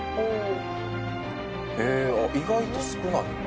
「へえ意外と少ない」